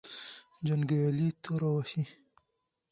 جنګیالي توره وهې.